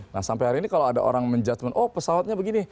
nah sampai hari ini kalau ada orang menjudgement oh pesawatnya begini